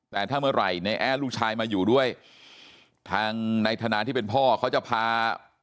แต่ถ้าเมื่อไหร่ในแอ้ลูกชายมาอยู่ด้วยทางนายธนาที่เป็นพ่อเขาจะพา